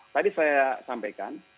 tadi saya sampaikan